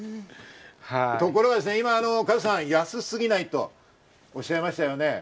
ところがですね、今、加藤さん、安すぎない？とおっしゃいましたよね？